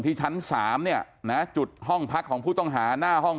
ชั้น๓เนี่ยนะจุดห้องพักของผู้ต้องหาหน้าห้อง